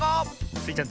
スイちゃん